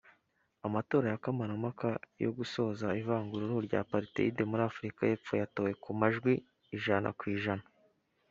Amatora ya kamarampaka yo gusoza ivanguraruhu rya Apartheid muri Afurika y’epfo yatowe ku majwi %